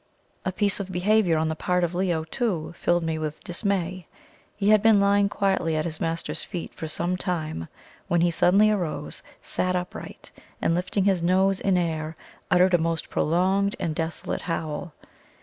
A piece of behaviour on the part of Leo, too, filled me with dismay. He had been lying quietly at his master's feet for some time, when he suddenly arose, sat upright, and lifting his nose in air, uttered a most prolonged and desolate howl.